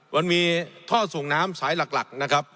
มันมีท่อส่วนน้ำสายหลัก